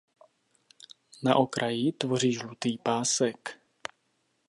Na okraji tvoří žlutý pásek.